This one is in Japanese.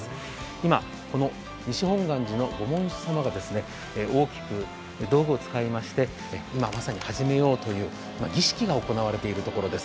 今、西本願寺で大きく道具を使いましてまさに始めようという儀式が行われているところです。